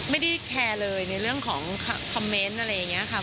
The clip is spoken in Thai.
ไม่ได้แคร์เลยในเรื่องของคอมเมนต์อะไรอย่างนี้ค่ะ